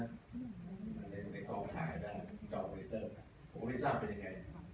ในกล่องถ่ายแบบกล่องคอลลิเตอร์ผมก็ไม่ทราบเป็นยังไง